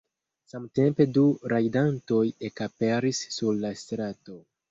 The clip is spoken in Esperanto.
Samtempe du rajdantoj ekaperis sur la strato.